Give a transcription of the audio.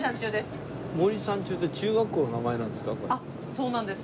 そうなんです。